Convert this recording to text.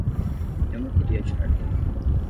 Eu não queria atirar nele.